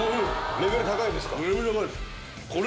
レベル高いです。